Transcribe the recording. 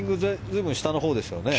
随分下のほうですからね。